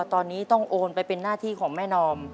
ตอนนี้ต้องโอนไปเป็นหน้าที่ของแม่นอม